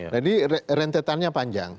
jadi rentetannya panjang